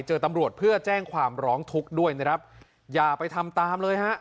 เจอตำรวจเพื่อแจ้งความร้องทุกข์ด้วยนะครับอย่าไปทำตามเลยฮะ